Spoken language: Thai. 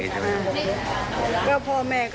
ขอบคุณครับ